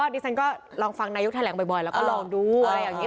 ดิฉันก็ลองฟังนายกแถลงบ่อยแล้วก็ลองดูอะไรอย่างนี้